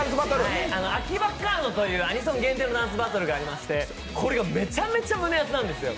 「あきばっかの！」というアニソン限定のダンスバトルがありましてこれがめちゃめちゃ胸アツなんですよ。